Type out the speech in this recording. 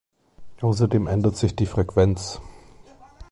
Außerdem ändert sich die Frequenz.